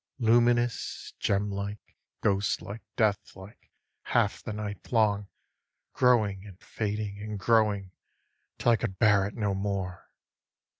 Luminous, gemlike, ghostlike, deathlike, half the night long Growing and fading and growing, till I could bear it no more.